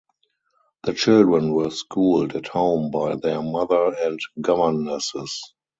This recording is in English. The children were schooled at home by their mother and governesses.